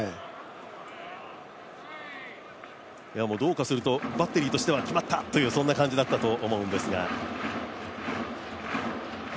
どうかするとバッテリーとしては決まったという感じだったと思うんですが。